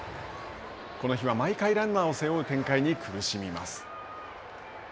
この日は、毎回ランナーを背負う展開に苦しみます。